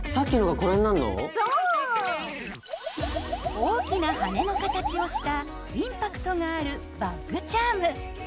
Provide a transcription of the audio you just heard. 大きな羽根の形をしたインパクトがあるバッグチャーム。